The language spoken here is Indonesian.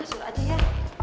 kasur aja ya